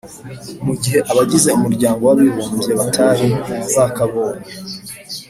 mu gihe abagize umuryango w'abibumbye batari bakabonye